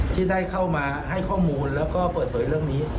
ที่ได้เข้ามาให้ข้อมูลแล้วก็เปิดเผยเรื่องนี้